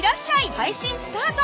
配信スタート